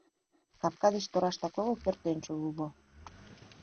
Капка деч тораштак огыл пӧртӧнчыл уло.